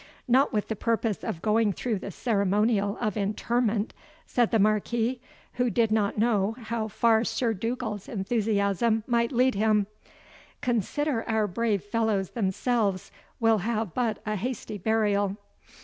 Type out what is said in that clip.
"Not with the purpose of going through the ceremonial of interment?" said the Marquis, who did not know how far Sir Dugald's enthusiasm might lead him; "consider our brave fellows themselves will have but a hasty burial."